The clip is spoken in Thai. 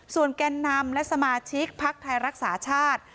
ส่วนแก่นำและสมาชิกพักไทยรักษาชาติ